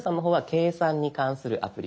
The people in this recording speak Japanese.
「計算」に関するアプリ。